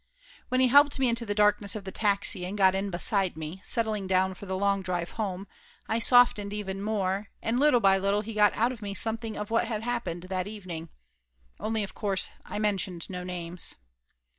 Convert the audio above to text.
When he helped me into the darkness of the taxi 122 Laughter Limited and got in beside me, settling down for the long drive home, I softened even more, and little by little he got out of me something of what had happened that eve ning, only of course I mentioned no names.